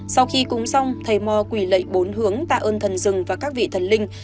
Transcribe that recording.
sau khi cúng xong thầy mò quỷ lệ bốn hướng tạ ơn thần rừng và các vị thần linh